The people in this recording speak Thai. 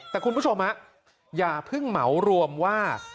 แต่คุณผู้ชมอย่าเพิ่งเหมารวมว่า